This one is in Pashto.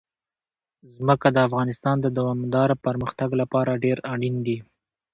ځمکه د افغانستان د دوامداره پرمختګ لپاره ډېر اړین دي.